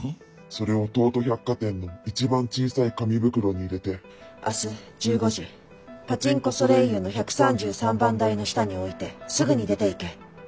それを東都百貨店の一番小さい紙袋に入れて明日１５時パチンコソレイユの１３３番台の下に置いてすぐに出ていけ。